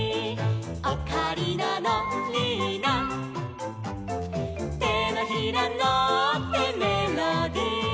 「オカリナのリーナ」「てのひらのってメロディ」